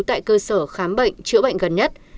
tại cơ sở khám bệnh chữa bệnh gần nhất